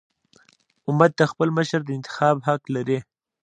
امت د خپل مشر د انتخاب حق لري.